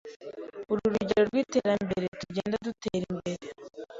Uru nurugero rwiterambere tugenda dutera imbere.